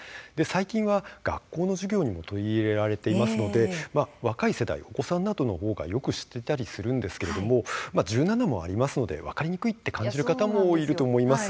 最近は学校の授業にも取り入れられていますので若い世代、お子さんなどのほうがよく知っていたりするんですけれども１７もありますので分かりにくいって感じる方もいると思います。